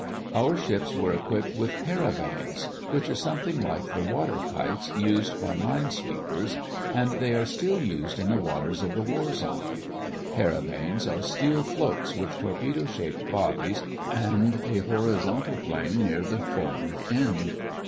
Our ships were equipped with "paravanes" which are something like the "water kites" used by mine sweepers, and they are still used in the waters of the war zone. Paravanes are steel floats with torpedo shaped bodies and a horizontal plane near the forward end.